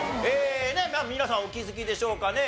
皆さんお気づきでしょうかね。